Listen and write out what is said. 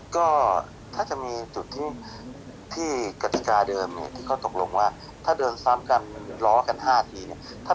ก็ถ้าจะมีจุดที่กฎิกาเดิมเนี่ยที่เขาตกลงว่า